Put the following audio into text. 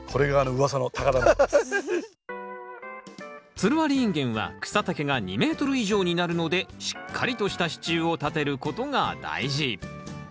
つるありインゲンは草丈が２ｍ以上になるのでしっかりとした支柱を立てることが大事。